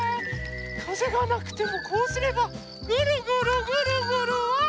かぜがなくてもこうすればぐるぐるぐるぐるわい！